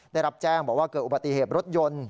ได้รับแจ้งบอกว่าเกิดอุบัติเหตุรถยนต์